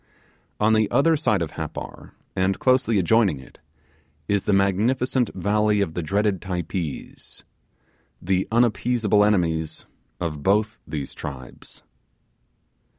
On the other side of Happar, and closely adjoining it, is the magnificent valley of the dreaded Typees, the unappeasable enemies of both these tribes.